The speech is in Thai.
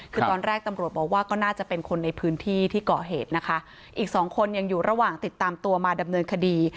คือตอนแรกตำรวจบอกว่าก็น่าจะเป็นคนในพื้นที่ที่ก่อเหตุนะคะอีกสองคนยังอยู่ระหว่างติดตามตัวมาดำเนินคดี